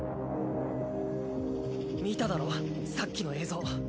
見ただろさっきの映像。